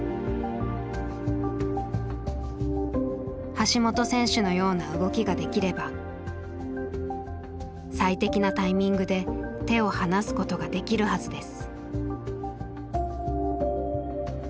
橋本選手のような動きができれば最適なタイミングで手を放すことができるはずです。